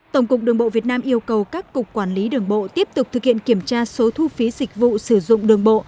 tổng cục đường bộ việt nam yêu cầu các cục quản lý đường bộ tiếp tục thực hiện kiểm tra số thu phí dịch vụ sử dụng đường bộ